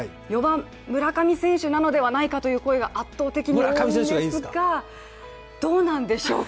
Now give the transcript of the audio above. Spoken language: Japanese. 村上選手んなのではないかという声が圧倒的に多いんですが、どうなんでしょうか？